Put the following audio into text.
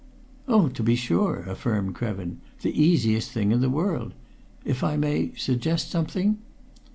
"Oh, to be sure!" affirmed Krevin. "The easiest thing in the world! If I may suggest something